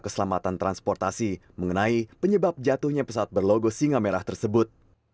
keselamatan transportasi mengenai penyebab jatuhnya pesawat berlogo singa merah tersebut